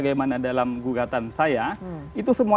dengan dua gelas lembaga non kementerian lainnya komnas ori kppk